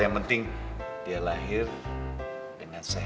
yang penting dia lahir dengan sehat